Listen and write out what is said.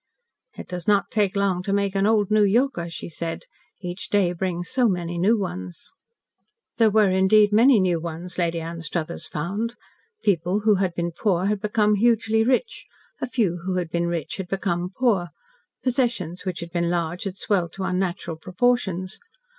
"It does not take long to make an 'old New Yorker,'" she said. "Each day brings so many new ones." There were, indeed, many new ones, Lady Anstruthers found. People who had been poor had become hugely rich, a few who had been rich had become poor, possessions which had been large had swelled to unnatural proportions.